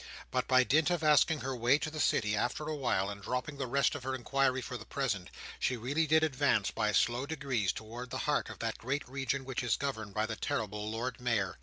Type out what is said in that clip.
But by dint of asking her way to the City after a while, and dropping the rest of her inquiry for the present, she really did advance, by slow degrees, towards the heart of that great region which is governed by the terrible Lord Mayor.